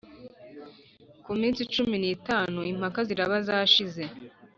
ku minsi cumi n itanu Impaka ziraba zashize